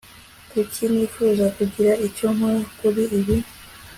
kuki nifuza kugira icyo nkora kuri ibi